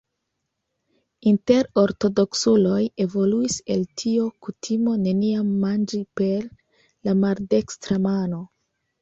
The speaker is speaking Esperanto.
Inter ortodoksuloj evoluis el tio kutimo neniam manĝi per la maldekstra mano.